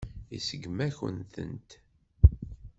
Iseggem-akent-tent.